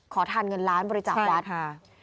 ขอทานเงินล้านบริจาควัดค่ะ